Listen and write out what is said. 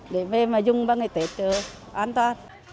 để về mà dùng vào ngày tết an toàn